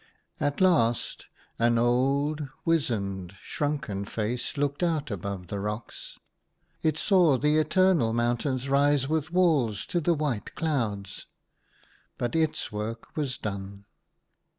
At last, an old, wizened, shrunken face looked out above the rocks. It saw the eternal mountains rise with walls to the white clouds ; but its work was done.